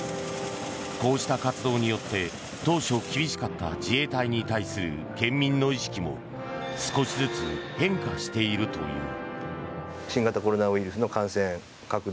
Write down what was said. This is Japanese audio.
こうした活動によって当初厳しかった自衛隊に対する県民の意識も少しずつ変化しているという。